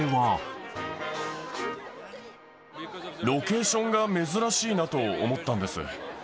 ロケーションが珍しいなと思ったんです。